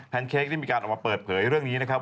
เค้กได้มีการออกมาเปิดเผยเรื่องนี้นะครับ